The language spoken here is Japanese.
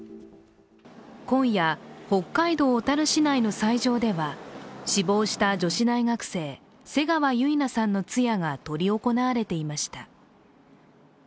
今夜、北海道小樽市内の斎場では死亡した女子大学生、瀬川結菜さんの通夜が執り行われていました。